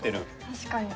確かに。